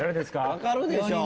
分かるでしょう。